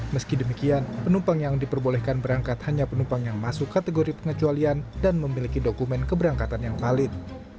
meski demikian penumpang yang diperbolehkan berangkat hanya penumpang yang masuk kategori pengecualian dan memiliki dokumen keberangkatan yang valid